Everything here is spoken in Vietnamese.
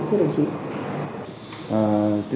thưa đồng chí